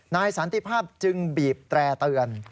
สันติภาพจึงบีบแตร่เตือน